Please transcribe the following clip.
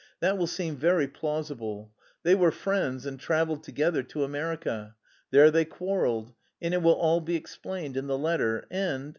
That will seem very plausible: they were friends and travelled together to America, there they quarrelled; and it will all be explained in the letter... and...